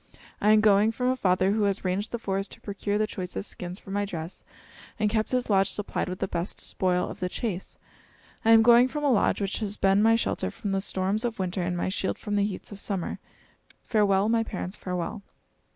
I am going from a father who has ranged the forest to procure the choicest skins for my dress and kept his lodge supplied with the best spoil of the chase. I am going from a lodge which has been my shelter from the storms of winter and my shield from the heats of summer. Farewell, my parents, farewell!"